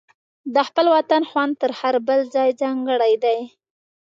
د خپل وطن خوند تر هر بل ځای ځانګړی دی.